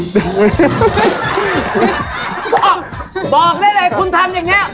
บอกบอกได้เลยคุณทำอย่างนี้